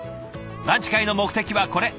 ランチ会の目的はこれ！